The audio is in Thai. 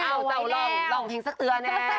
เอ้าเราลองลองเพลงแซ่บเตือนแน่